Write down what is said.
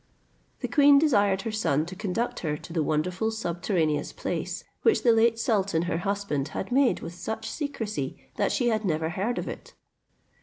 The queen desired her son to conduct her to the wonderful subterraneous place, which the late sultan her husband had made with such secrecy, that she had never heard of it.